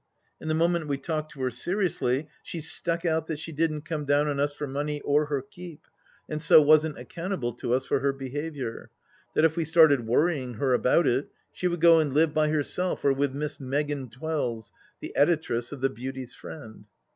And the moment we talked to her seriously, she stuck out that she didn't come down on us for money or her keep, and so wasn't accountable to us for her behaviour. That if we started worrying her about it, she would go and live by herself, or with Miss Meggan Twells — the Editress of The Beauty's Friend.